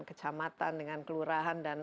kecamatan dengan kelurahan dan